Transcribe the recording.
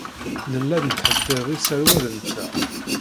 Nella nettḥeddid iserwalen-nteɣ.